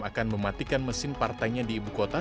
akan mematikan mesin partainya di ibu kota